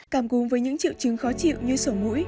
cảm cúm với những triệu chứng khó chịu như sổ mũi